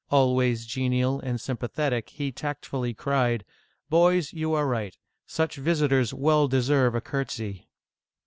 Always genial and sympa thetic, he tactfully cried :" Boys, you are right. Such vis itors well deserve a curtsy